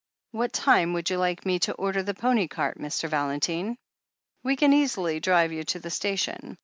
"What time would you like me to order the pony cart, Mr. Valentine? We can easily drive you to the station.